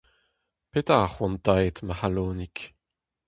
Petra a c'hoantaet, ma c'halonig ?